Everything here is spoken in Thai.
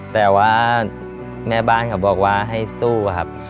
แต่ว่าแม่บ้านเขาบอกว่าให้สู้ครับ